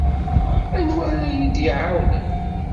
Anwa ara yi-d-iεawnen?